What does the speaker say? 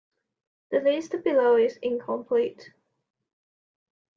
The list below is incomplete.